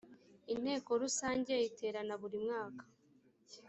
inteko rusange iteranaburimwaka.